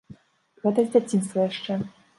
Гэта з дзяцінства яшчэ.